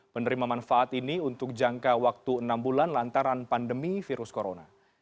penerima manfaat ini untuk jangka waktu enam bulan lantaran pandemi virus corona